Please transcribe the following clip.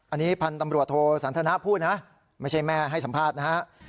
อันนี้พันธุ์ตำรวจโทสันทนะพูดนะไม่ใช่แม่ให้สัมภาษณ์นะฮะ